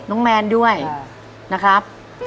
น้องเมรด้วยนะครับ